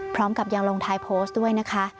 พร้อมกับยังลงท้ายโพสต์ด้วยนะคะ